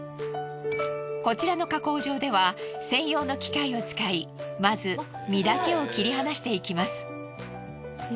こちらの加工場では専用の機械を使いまず実だけを切り離していきます。